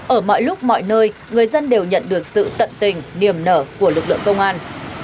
ở mọi lúc mọi nơi người dân đều nhận được sự tận tình niềm nở của lực lượng công an